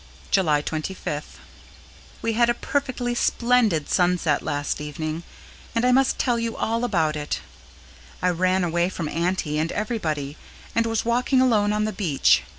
July 25th. We had a perfectly splendid sunset last evening, and I must tell you all about it. I ran away from Auntie and everybody, and was walking alone on the beach.